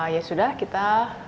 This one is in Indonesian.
ya sudah kita